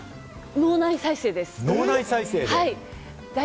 脳内再生です。